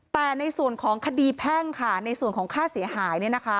แต่ในส่วนของคดีแพ่งค่ะในส่วนของค่าเสียหาย